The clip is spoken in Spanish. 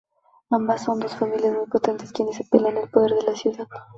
Ambas son dos familias muy potentes, quienes se pelean el poder de la ciudad.